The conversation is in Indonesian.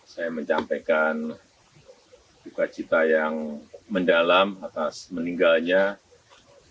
saya mencampingkan juga cita yang mendalam atas meninggalnya korban